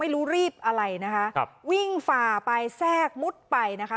รีบอะไรนะคะครับวิ่งฝ่าไปแทรกมุดไปนะคะ